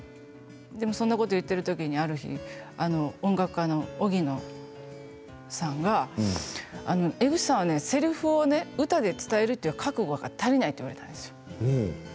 そんなこと言ってるときはある日音楽家の荻野清子さん、荻野さんが江口さんはねせりふを歌で伝えるという覚悟が足りないと言われたんですよ。